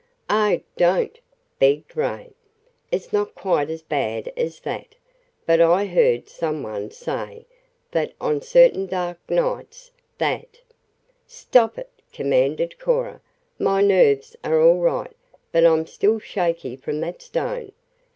"Oh, don't!" begged Ray. "It's not quite as bad as that, but I heard some one say that on certain dark nights that " "Stop it!" commanded Cora. "My nerves are all right, but I'm still shaky from that stone.